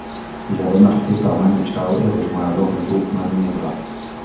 Il est remarqué par Manu Chao et rejoint alors le groupe Mano Negra.